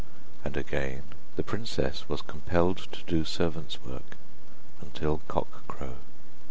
And again the princess was compelled to do servant's work until cock crow.